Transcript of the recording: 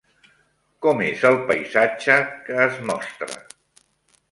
Com és el paisatge que es mostra?